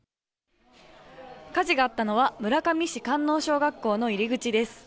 火事があったのは、村上市神納小学校の入り口です。